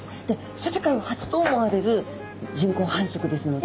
世界初と思われる人工繁殖ですので。